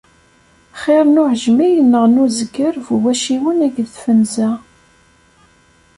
Xiṛ n uɛejmi neɣ n uzger bu wacciwen akked tfenza.